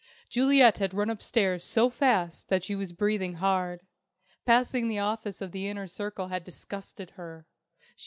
Juliet had run upstairs so fast that she was breathing hard. Passing the office of the Inner Circle had disgusted her.